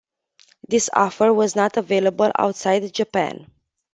This offer was not available outside Japan.